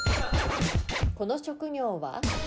この職業は？